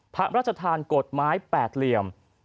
พระราชทานกฎหมายแปดเหลี่ยม